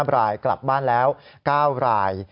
รายกลับบ้านแล้ว๙ราย